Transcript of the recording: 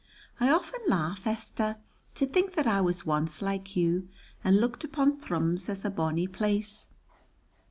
I often laugh, Esther, to think that I was once like you, and looked upon Thrums as a bonny place.